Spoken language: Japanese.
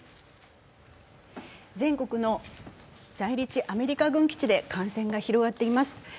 全国の在日アメリカ軍基地で感染が広がっています。